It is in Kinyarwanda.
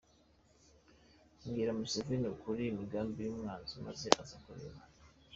Bwira Museveni ukuri imigambi yu mwanzi maze azakureka